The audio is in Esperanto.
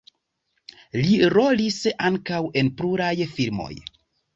Li rolis ankaŭ en pluraj filmoj.